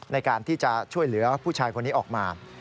ในการที่จะช่วยเหลือผู้ชายคนนี้ออกมา